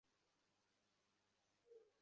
তিনি পরে ব্রিটিশ মিউজিয়ামে দান করে দেন।